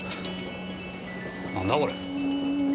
なんだこれ？